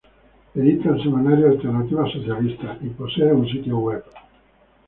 Edita el semanario "Alternativa Socialista" y posee un sitio web.